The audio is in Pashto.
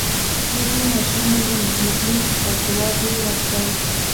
د دې ماشومې نوم ميکلي و او ځواب يې ورکړ.